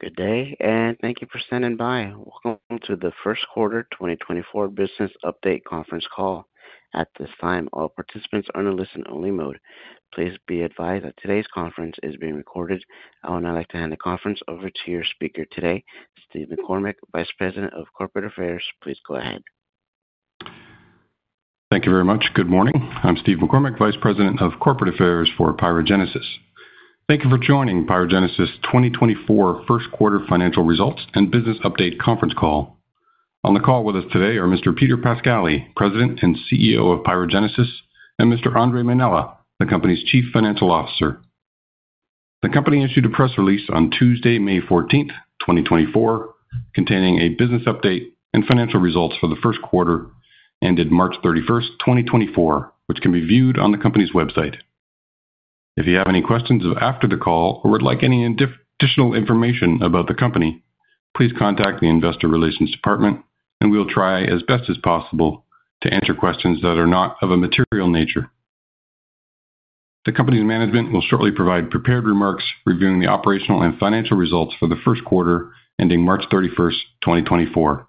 Good day, and thank you for standing by. Welcome to the First Quarter 2024 Business Update Conference Call. At this time, all participants are in a listen-only mode. Please be advised that today's conference is being recorded. I would now like to hand the conference over to your speaker today, Steve McCormick, Vice President of Corporate Affairs. Please go ahead. Thank you very much. Good morning. I'm Steve McCormick, Vice President of Corporate Affairs for PyroGenesis. Thank you for joining PyroGenesis 2024 first quarter financial results and business update conference call. On the call with us today are Mr. Peter Pascali, President and CEO of PyroGenesis, and Mr. Andre Mainella, the company's Chief Financial Officer. The company issued a press release on Tuesday, May 14th, 2024, containing a business update and financial results for the first quarter ended March 31st, 2024, which can be viewed on the company's website. If you have any questions after the call or would like any additional information about the company, please contact the Investor Relations Department, and we'll try as best as possible to answer questions that are not of a material nature. The company's management will shortly provide prepared remarks reviewing the operational and financial results for the first quarter ending March 31st, 2024.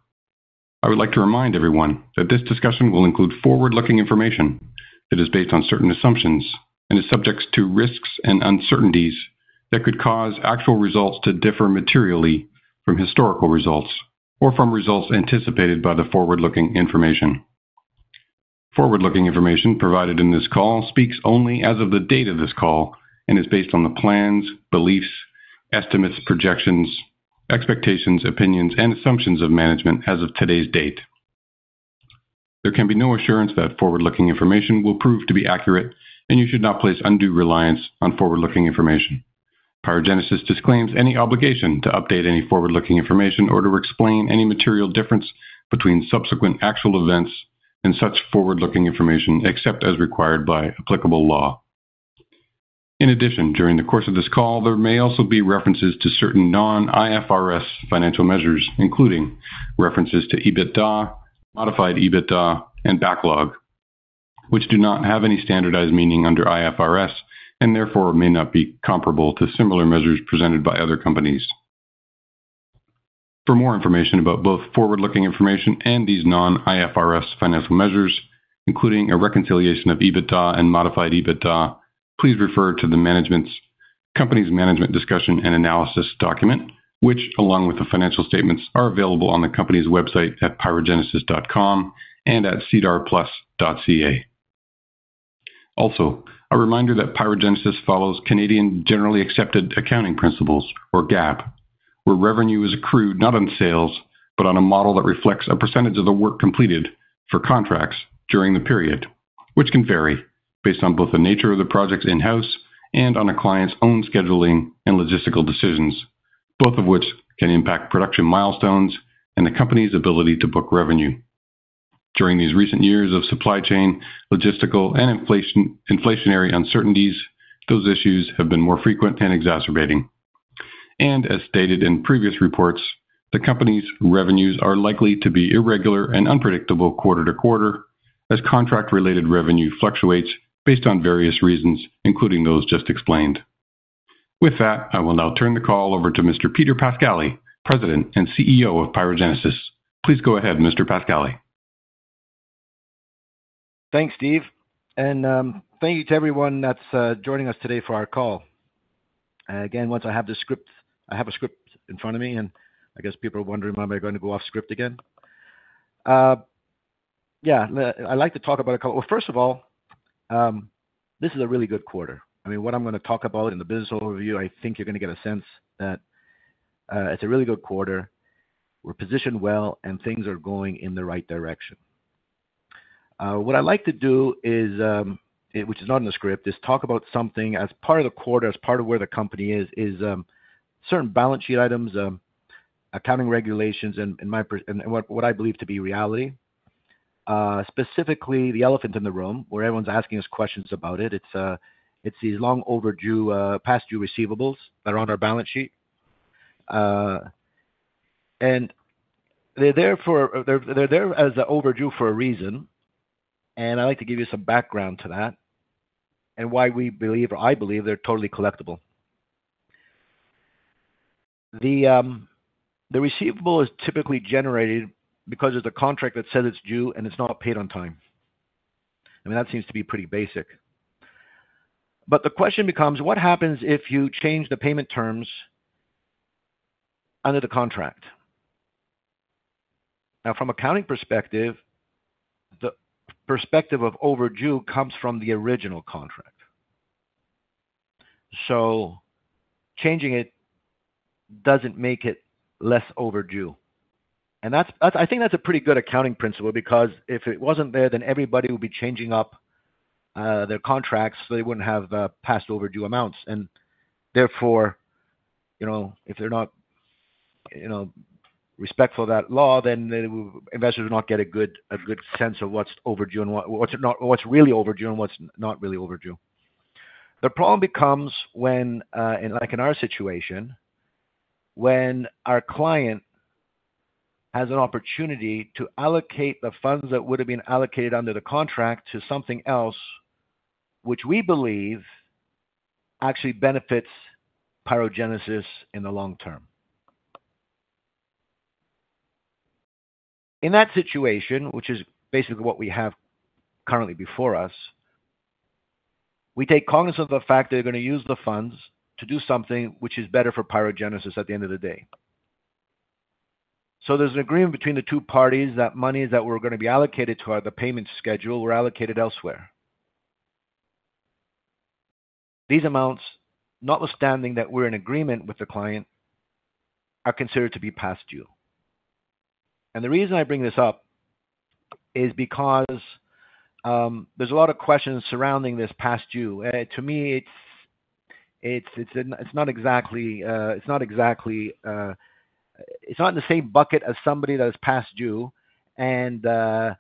I would like to remind everyone that this discussion will include forward-looking information. It is based on certain assumptions and is subject to risks and uncertainties that could cause actual results to differ materially from historical results or from results anticipated by the forward-looking information. Forward-looking information provided in this call speaks only as of the date of this call and is based on the plans, beliefs, estimates, projections, expectations, opinions, and assumptions of management as of today's date. There can be no assurance that forward-looking information will prove to be accurate, and you should not place undue reliance on forward-looking information. PyroGenesis disclaims any obligation to update any forward-looking information or to explain any material difference between subsequent actual events and such forward-looking information except as required by applicable law. In addition, during the course of this call, there may also be references to certain non-IFRS financial measures, including references to EBITDA, Modified EBITDA, and backlog, which do not have any standardized meaning under IFRS and therefore may not be comparable to similar measures presented by other companies. For more information about both forward-looking information and these non-IFRS financial measures, including a reconciliation of EBITDA and Modified EBITDA, please refer to the company's management discussion and analysis document, which along with the financial statements are available on the company's website at pyrogenesis.com and at sedarplus.ca. Also, a reminder that PyroGenesis follows Canadian Generally Accepted Accounting Principles or GAAP, where revenue is accrued not on sales but on a model that reflects a percentage of the work completed for contracts during the period, which can vary based on both the nature of the projects in-house and on a client's own scheduling and logistical decisions, both of which can impact production milestones and the company's ability to book revenue. During these recent years of supply chain, logistical, and inflationary uncertainties, those issues have been more frequent and exacerbating. As stated in previous reports, the company's revenues are likely to be irregular and unpredictable quarter to quarter as contract-related revenue fluctuates based on various reasons, including those just explained. With that, I will now turn the call over to Mr. Peter Pascali, President and CEO of PyroGenesis. Please go ahead, Mr. Pascali. Thanks, Steve. And thank you to everyone that's joining us today for our call. Again, once I have the script, I have a script in front of me, and I guess people are wondering why am I going to go off script again. Yeah, I'd like to talk about a couple, well, first of all, this is a really good quarter. I mean, what I'm going to talk about in the business overview, I think you're going to get a sense that it's a really good quarter. We're positioned well, and things are going in the right direction. What I'd like to do is, which is not in the script, is talk about something as part of the quarter, as part of where the company is: certain balance sheet items, accounting regulations, and what I believe to be reality. Specifically, the elephant in the room where everyone's asking us questions about it, it's these long overdue, past-due receivables that are on our balance sheet. And they're there as overdue for a reason. And I'd like to give you some background to that and why we believe, or I believe, they're totally collectible. The receivable is typically generated because there's a contract that says it's due and it's not paid on time. I mean, that seems to be pretty basic. But the question becomes, what happens if you change the payment terms under the contract? Now, from an accounting perspective, the perspective of overdue comes from the original contract. So changing it doesn't make it less overdue. And I think that's a pretty good accounting principle because if it wasn't there, then everybody would be changing up their contracts so they wouldn't have past-overdue amounts. And therefore, if they're not respectful of that law, then investors will not get a good sense of what's overdue and what's really overdue and what's not really overdue. The problem becomes when, like in our situation, when our client has an opportunity to allocate the funds that would have been allocated under the contract to something else, which we believe actually benefits PyroGenesis in the long term. In that situation, which is basically what we have currently before us, we take cognizance of the fact that they're going to use the funds to do something which is better for PyroGenesis at the end of the day. So there's an agreement between the two parties that money that we're going to be allocated to, or the payment schedule, were allocated elsewhere. These amounts, notwithstanding that we're in agreement with the client, are considered to be past due. The reason I bring this up is because there's a lot of questions surrounding this past due. To me, it's not in the same bucket as somebody that is past due and for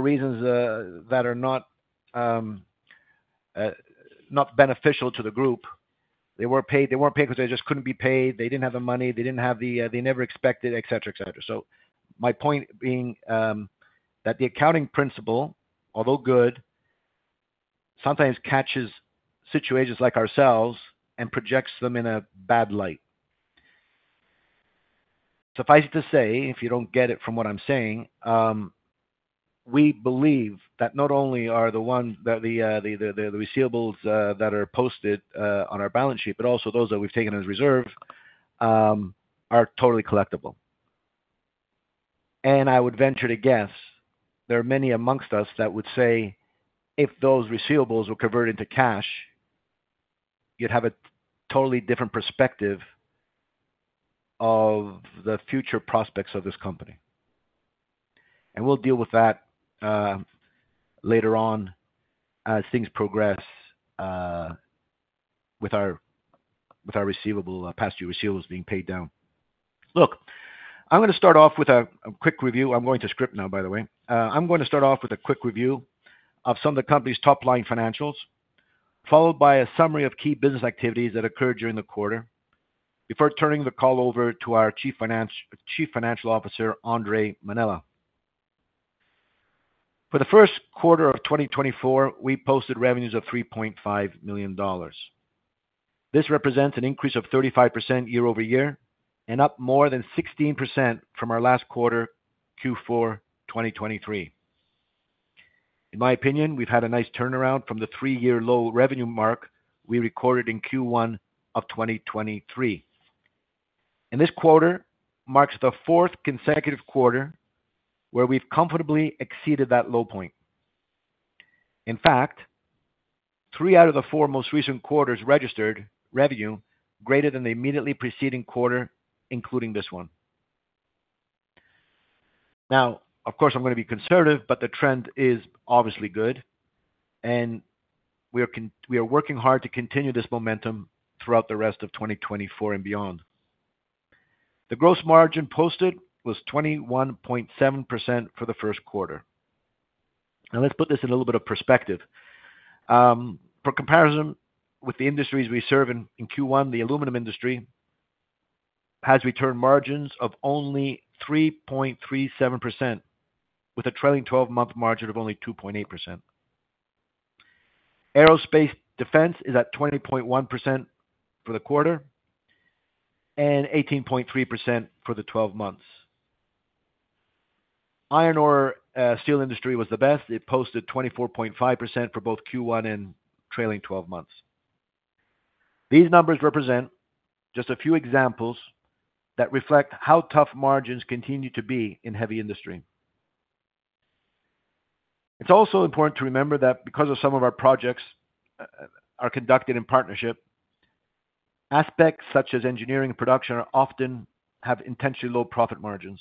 reasons that are not beneficial to the group. They weren't paid. They weren't paid because they just couldn't be paid. They didn't have the money. They never expected, etc., etc. So my point being that the accounting principle, although good, sometimes catches situations like ourselves and projects them in a bad light. Suffice it to say, if you don't get it from what I'm saying, we believe that not only the receivables that are posted on our balance sheet, but also those that we've taken as reserve, are totally collectible. And I would venture to guess there are many amongst us that would say if those receivables were converted into cash, you'd have a totally different perspective of the future prospects of this company. And we'll deal with that later on as things progress with our receivable, past-due receivables being paid down. Look, I'm going to start off with a quick review. I'm going to script now, by the way. I'm going to start off with a quick review of some of the company's top-line financials, followed by a summary of key business activities that occurred during the quarter before turning the call over to our Chief Financial Officer, Andre Mainella. For the first quarter of 2024, we posted revenues of $3.5 million. This represents an increase of 35% year-over-year and up more than 16% from our last quarter, Q4 2023. In my opinion, we've had a nice turnaround from the three-year low revenue mark we recorded in Q1 of 2023. This quarter marks the fourth consecutive quarter where we've comfortably exceeded that low point. In fact, three out of the four most recent quarters registered revenue greater than the immediately preceding quarter, including this one. Now, of course, I'm going to be conservative, but the trend is obviously good. We are working hard to continue this momentum throughout the rest of 2024 and beyond. The gross margin posted was 21.7% for the first quarter. Now, let's put this in a little bit of perspective. For comparison with the industries we serve in Q1, the aluminum industry has returned margins of only 3.37% with a trailing 12-month margin of only 2.8%. Aerospace defense is at 20.1% for the quarter and 18.3% for the 12 months. Iron and Steel industry was the best. It posted 24.5% for both Q1 and trailing 12 months. These numbers represent just a few examples that reflect how tough margins continue to be in heavy industry. It's also important to remember that because of some of our projects are conducted in partnership, aspects such as engineering and production often have intentionally low profit margins.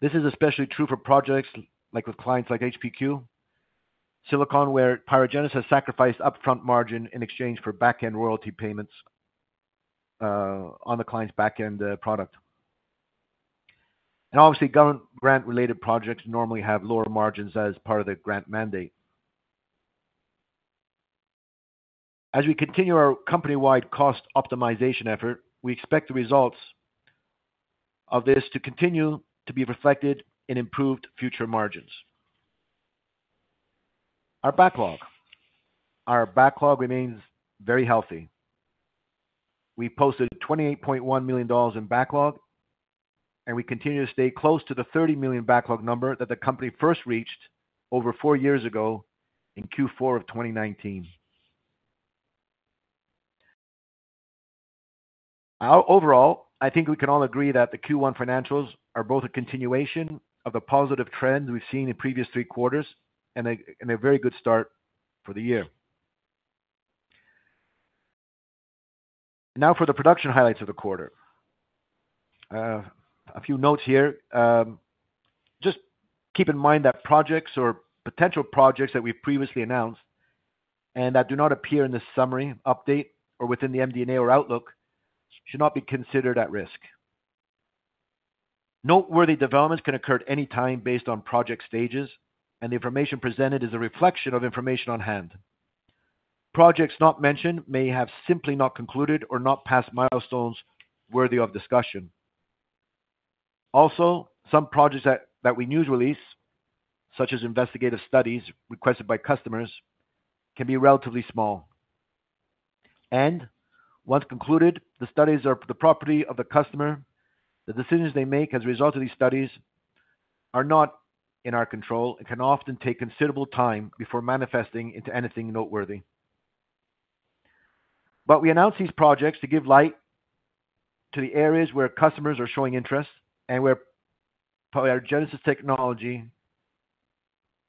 This is especially true for projects like with clients like HPQ Silicon, where PyroGenesis sacrificed upfront margin in exchange for backend royalty payments on the client's backend product. And obviously, government grant-related projects normally have lower margins as part of the grant mandate. As we continue our company-wide cost optimization effort, we expect the results of this to continue to be reflected in improved future margins. Our backlog remains very healthy. We posted 28.1 million dollars in backlog, and we continue to stay close to the 30 million backlog number that the company first reached over four years ago in Q4 of 2019. Overall, I think we can all agree that the Q1 financials are both a continuation of the positive trends we've seen in previous three quarters and a very good start for the year. Now, for the production highlights of the quarter, a few notes here. Just keep in mind that projects or potential projects that we've previously announced and that do not appear in the summary update or within the MD&A or Outlook should not be considered at risk. Noteworthy developments can occur at any time based on project stages, and the information presented is a reflection of information on hand. Projects not mentioned may have simply not concluded or not passed milestones worthy of discussion. Also, some projects that we news release, such as investigative studies requested by customers, can be relatively small. Once concluded, the studies are the property of the customer. The decisions they make as a result of these studies are not in our control and can often take considerable time before manifesting into anything noteworthy. We announce these projects to give light to the areas where customers are showing interest and where PyroGenesis technology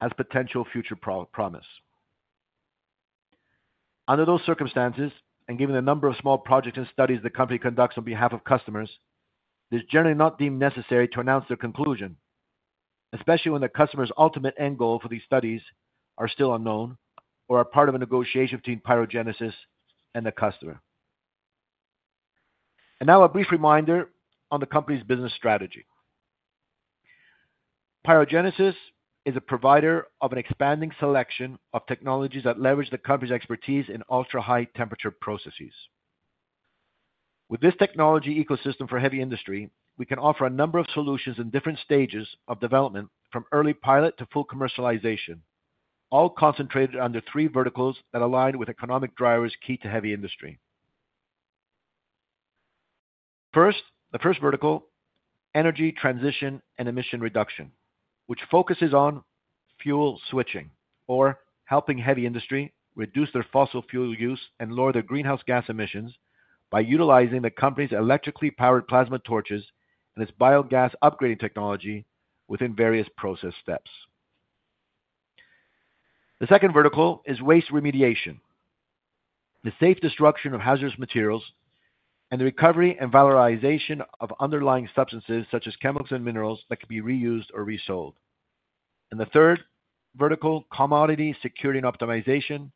has potential future promise. Under those circumstances and given the number of small projects and studies the company conducts on behalf of customers, it is generally not deemed necessary to announce their conclusion, especially when the customer's ultimate end goal for these studies are still unknown or are part of a negotiation between PyroGenesis and the customer. Now, a brief reminder on the company's business strategy. PyroGenesis is a provider of an expanding selection of technologies that leverage the company's expertise in ultra-high temperature processes. With this technology ecosystem for heavy industry, we can offer a number of solutions in different stages of development from early pilot to full commercialization, all concentrated under three verticals that align with economic drivers key to heavy industry. First, the first vertical, energy transition and emission reduction, which focuses on fuel switching or helping heavy industry reduce their fossil fuel use and lower their greenhouse gas emissions by utilizing the company's electrically powered plasma torches and its biogas upgrading technology within various process steps. The second vertical is waste remediation, the safe destruction of hazardous materials, and the recovery and valorization of underlying substances such as chemicals and minerals that could be reused or resold. And the third vertical, commodity security and optimization,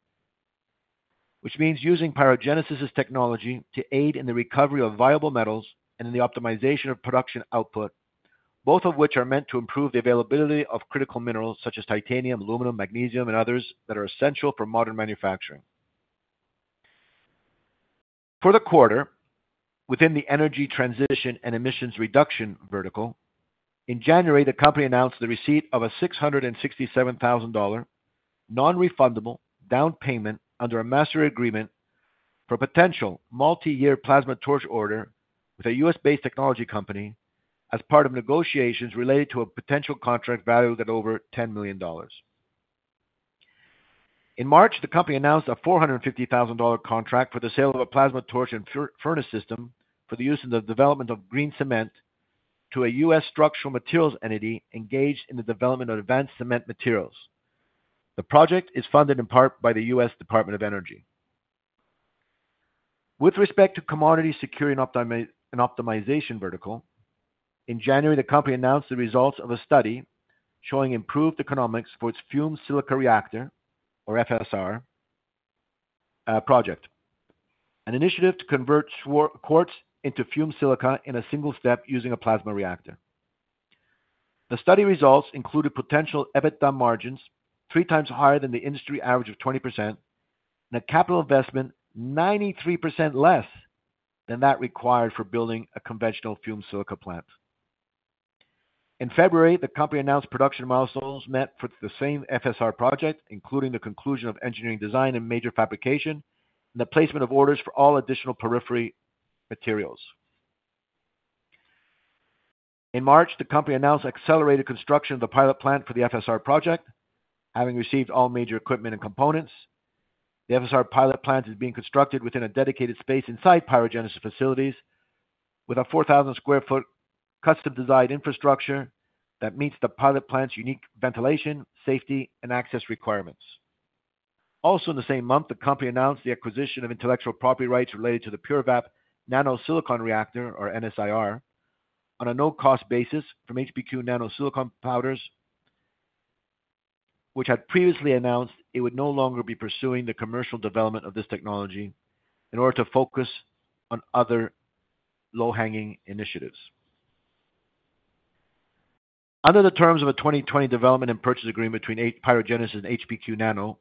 which means using PyroGenesis's technology to aid in the recovery of viable metals and in the optimization of production output, both of which are meant to improve the availability of critical minerals such as titanium, aluminum, magnesium, and others that are essential for modern manufacturing. For the quarter, within the energy transition and emissions reduction vertical, in January, the company announced the receipt of a $667,000 nonrefundable down payment under a master agreement for a potential multi-year plasma torch order with a U.S.-based technology company as part of negotiations related to a potential contract valued at over $10 million. In March, the company announced a $450,000 contract for the sale of a plasma torch and furnace system for the use in the development of green cement to a U.S. structural materials entity engaged in the development of advanced cement materials. The project is funded in part by the U.S. Department of Energy. With respect to commodity security and optimization vertical, in January, the company announced the results of a study showing improved economics for its Fumed Silica Reactor, or FSR, project, an initiative to convert quartz into fumed silica in a single step using a plasma reactor. The study results included potential EBITDA margins three times higher than the industry average of 20% and a capital investment 93% less than that required for building a conventional fumed silica plant. In February, the company announced production milestones met for the same FSR project, including the conclusion of engineering design and major fabrication and the placement of orders for all additional periphery materials. In March, the company announced accelerated construction of the pilot plant for the FSR project, having received all major equipment and components. The FSR pilot plant is being constructed within a dedicated space inside PyroGenesis facilities with a 4,000 sq ft custom-designed infrastructure that meets the pilot plant's unique ventilation, safety, and access requirements. Also, in the same month, the company announced the acquisition of intellectual property rights related to the PUREVAP Nano Silicon Reactor, or NSiR, on a no-cost basis from HPQ Nano Silicon Powders, which had previously announced it would no longer be pursuing the commercial development of this technology in order to focus on other low-hanging initiatives. Under the terms of a 2020 development and purchase agreement between PyroGenesis and HPQ Nano,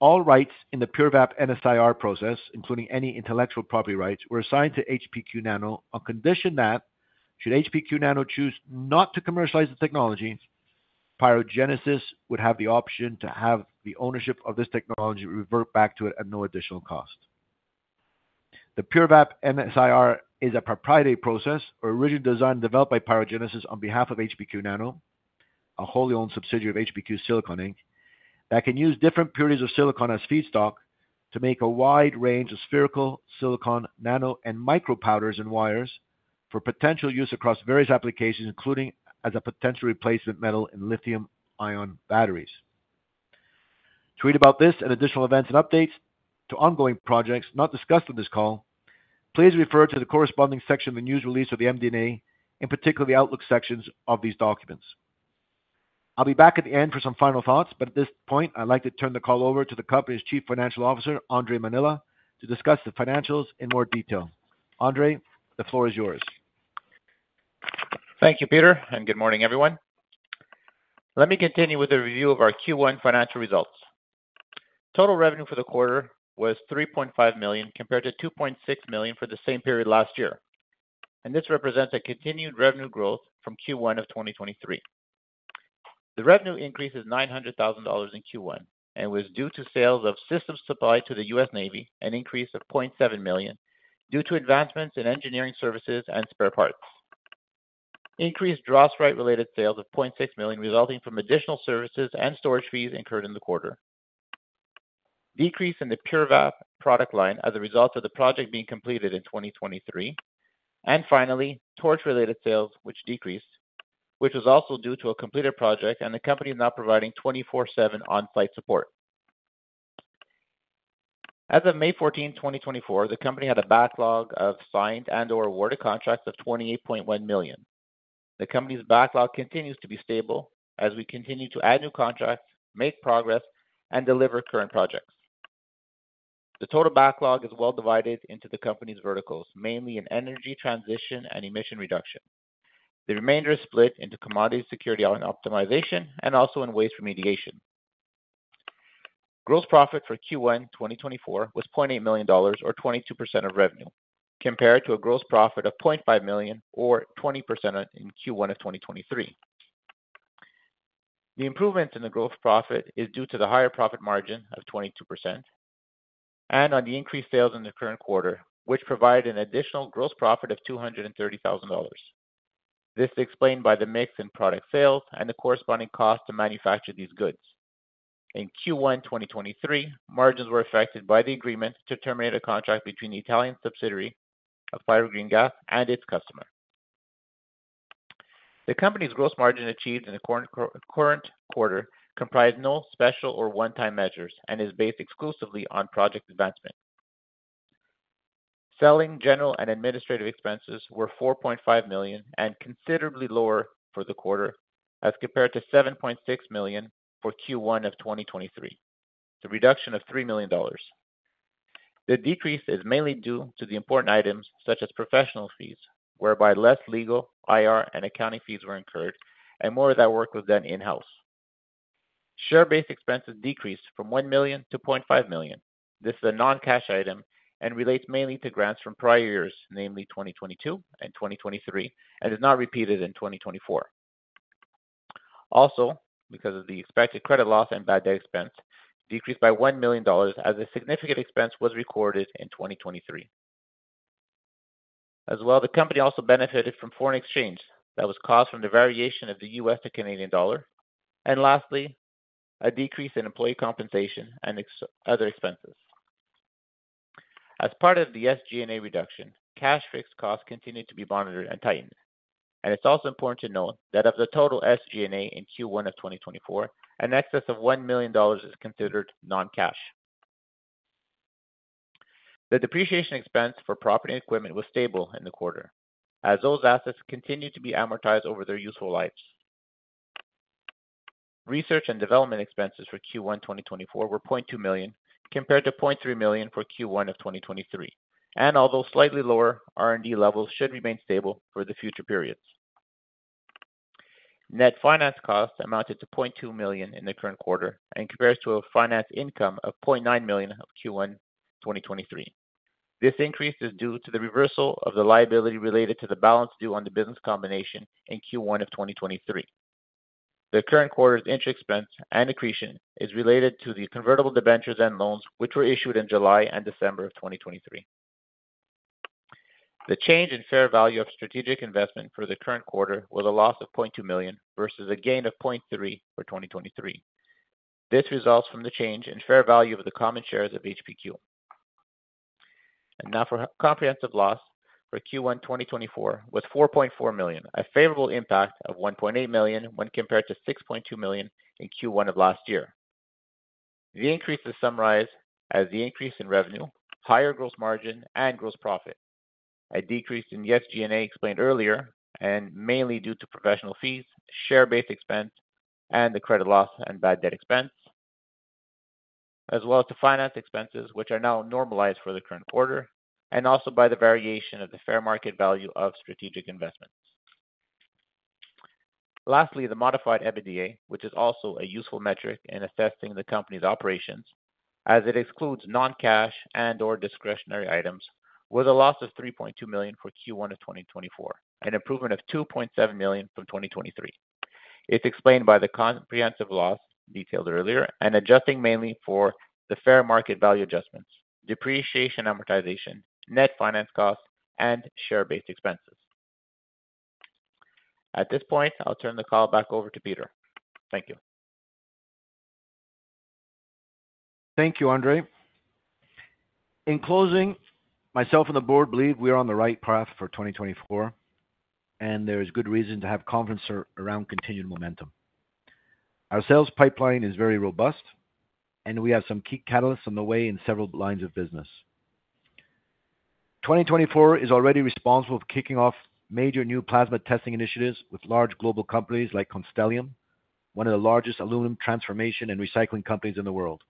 all rights in the PUREVAP NSiR process, including any intellectual property rights, were assigned to HPQ Nano on condition that should HPQ Nano choose not to commercialize the technology, PyroGenesis would have the option to have the ownership of this technology revert back to it at no additional cost. The PUREVAP NSiR is a proprietary process or originally designed and developed by PyroGenesis on behalf of HPQ Nano, a wholly owned subsidiary of HPQ Silicon Inc., that can use different purities of silicon as feedstock to make a wide range of spherical silicon nano and micro powders and wires for potential use across various applications, including as a potential replacement metal in lithium-ion batteries. To read about this and additional events and updates to ongoing projects not discussed on this call, please refer to the corresponding section of the news release or the MD&A, in particular the Outlook sections of these documents. I'll be back at the end for some final thoughts, but at this point, I'd like to turn the call over to the company's Chief Financial Officer, Andre Mainella, to discuss the financials in more detail. Andre, the floor is yours. Thank you, Peter, and good morning, everyone. Let me continue with the review of our Q1 financial results. Total revenue for the quarter was 3.5 million compared to 2.6 million for the same period last year, and this represents a continued revenue growth from Q1 of 2023. The revenue increase is 900,000 dollars in Q1 and was due to sales of systems supplied to the U.S. Navy, an increase of 0.7 million due to advancements in engineering services and spare parts. Increased DROSRITE-related sales of 0.6 million resulting from additional services and storage fees incurred in the quarter. Decrease in the PUREVAP product line as a result of the project being completed in 2023. And finally, torch-related sales, which decreased, which was also due to a completed project and the company not providing 24/7 on-site support. As of May 14, 2024, the company had a backlog of signed and/or awarded contracts of 28.1 million. The company's backlog continues to be stable as we continue to add new contracts, make progress, and deliver current projects. The total backlog is well divided into the company's verticals, mainly in energy transition and emission reduction. The remainder is split into commodity security and optimization and also in waste remediation. Gross profit for Q1 2024 was CAD 0.8 million, or 22% of revenue, compared to a gross profit of CAD 0.5 million, or 20% in Q1 of 2023. The improvements in the gross profit are due to the higher profit margin of 22% and on the increased sales in the current quarter, which provided an additional gross profit of 230,000 dollars. This is explained by the mix in product sales and the corresponding cost to manufacture these goods. In Q1 2023, margins were affected by the agreement to terminate a contract between the Italian subsidiary of Pyro Green-Gas and its customer. The company's gross margin achieved in the current quarter comprised no special or one-time measures and is based exclusively on project advancement. Selling general and administrative expenses were 4.5 million and considerably lower for the quarter as compared to 7.6 million for Q1 of 2023, the reduction of 3 million dollars. The decrease is mainly due to the important items such as professional fees, whereby less legal, IR, and accounting fees were incurred, and more of that work was done in-house. Share-based expenses decreased from 1 million-0.5 million. This is a non-cash item and relates mainly to grants from prior years, namely 2022 and 2023, and is not repeated in 2024. Also, because of the expected credit loss and bad debt expense, it decreased by 1 million dollars as a significant expense was recorded in 2023. As well, the company also benefited from foreign exchange that was caused from the variation of the U.S. to Canadian dollar. Lastly, a decrease in employee compensation and other expenses. As part of the SG&A reduction, cash fixed costs continue to be monitored and tightened. It's also important to note that of the total SG&A in Q1 of 2024, an excess of 1 million dollars is considered non-cash. The depreciation expense for property and equipment was stable in the quarter as those assets continued to be amortized over their useful lives. Research and development expenses for Q1 2024 were 0.2 million compared to 0.3 million for Q1 of 2023. Although slightly lower, R&D levels should remain stable for the future periods. Net finance costs amounted to 0.2 million in the current quarter and compares to a finance income of 0.9 million of Q1 2023. This increase is due to the reversal of the liability related to the balance due on the business combination in Q1 of 2023. The current quarter's interest expense and accretion are related to the convertible debentures and loans, which were issued in July and December of 2023. The change in fair value of strategic investment for the current quarter was a loss of 0.2 million versus a gain of 0.3 million for 2023. This results from the change in fair value of the common shares of HPQ. And now for comprehensive loss for Q1 2024 was 4.4 million, a favorable impact of 1.8 million when compared to 6.2 million in Q1 of last year. The increase is summarized as the increase in revenue, higher gross margin, and gross profit, a decrease in the SG&A explained earlier and mainly due to professional fees, share-based expense, and the credit loss and bad debt expense, as well as to finance expenses, which are now normalized for the current quarter and also by the variation of the fair market value of strategic investments. Lastly, the modified EBITDA, which is also a useful metric in assessing the company's operations as it excludes non-cash and/or discretionary items, was a loss of 3.2 million for Q1 of 2024, an improvement of 2.7 million from 2023. It's explained by the comprehensive loss detailed earlier and adjusting mainly for the fair market value adjustments, depreciation amortization, net finance costs, and share-based expenses. At this point, I'll turn the call back over to Peter. Thank you. Thank you, Andre. In closing, myself and the board believe we are on the right path for 2024, and there is good reason to have confidence around continued momentum. Our sales pipeline is very robust, and we have some key catalysts on the way in several lines of business. 2024 is already responsible for kicking off major new plasma testing initiatives with large global companies like Constellium, one of the largest aluminum transformation and recycling companies in the world.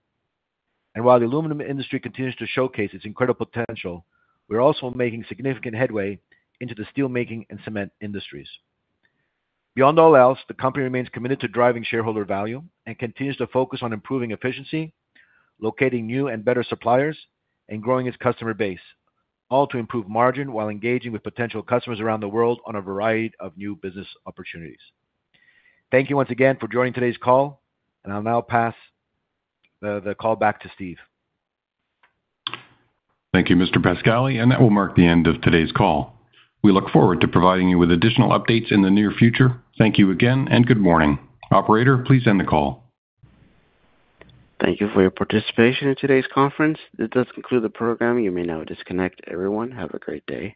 And while the aluminum industry continues to showcase its incredible potential, we're also making significant headway into the steelmaking and cement industries. Beyond all else, the company remains committed to driving shareholder value and continues to focus on improving efficiency, locating new and better suppliers, and growing its customer base, all to improve margin while engaging with potential customers around the world on a variety of new business opportunities. Thank you once again for joining today's call, and I'll now pass the call back to Steve. Thank you, Mr. Pascali, and that will mark the end of today's call. We look forward to providing you with additional updates in the near future. Thank you again, and good morning. Operator, please end the call. Thank you for your participation in today's conference. This does conclude the program. You may now disconnect. Everyone, have a great day.